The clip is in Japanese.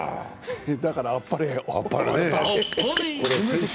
だから、あっぱれ。